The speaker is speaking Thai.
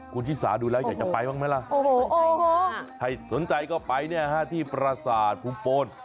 คุณฮิษาดูแลอยากจะไปบ้างมั้ยล่ะใครสนใจก็ไปเนี่ยที่ประสาทภูมิโปรน